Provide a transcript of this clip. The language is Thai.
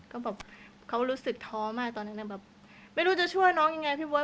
ก็แบบเขารู้สึกท้อมากตอนนั้นแบบไม่รู้จะช่วยน้องยังไงพี่เบิร์